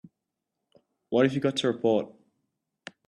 What have you got to report?